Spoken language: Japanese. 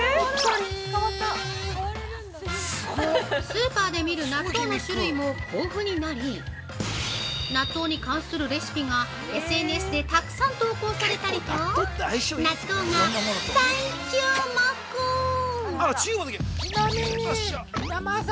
スーパーで見る納豆の種類も豊富になり、納豆に関するレシピがＳＮＳでたくさん投稿されたりと納豆が再チュウ目！